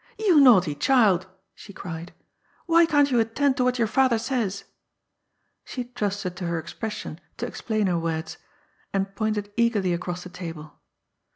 "You naughty child !" she cried. " Why can't you attend to what your father says ?" She trusted to her expression to ex plain her words — and pointed eagerly across the table.